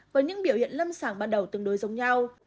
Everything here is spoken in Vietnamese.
với những biểu hiện lâm sàng ban đầu tương đối giống nhau